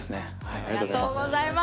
ありがとうございます。